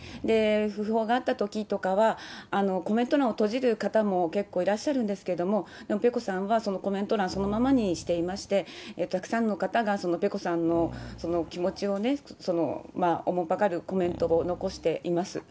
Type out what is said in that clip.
訃報があったときとかは、コメント欄を閉じる方も結構いらっしゃるんですけど、ペコさんはコメント欄、そのままにしていまして、たくさんの方がペコさんの気持ちをね、おもんぱかるコメントを残しています。